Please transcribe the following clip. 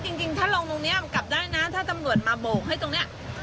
จริงถ้าลงตรงนี้กลับได้นะถ้าตำรวจมาโบกให้ตรงนี้